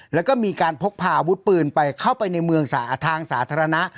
แล้วก็มีการพกพาอาวุธปืนไปเข้าไปในเมืองทางสาธารณะ